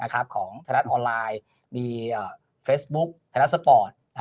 ของไทยรัฐออนไลน์มีเฟซบุ๊คไทยรัฐสปอร์ต